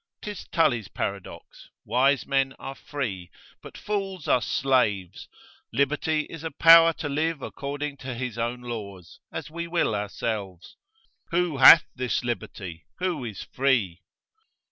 'Tis Tully's paradox, wise men are free, but fools are slaves, liberty is a power to live according to his own laws, as we will ourselves: who hath this liberty? who is free?